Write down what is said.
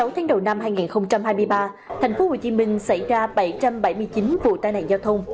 sáu tháng đầu năm hai nghìn hai mươi ba tp hcm xảy ra bảy trăm bảy mươi chín vụ tai nạn giao thông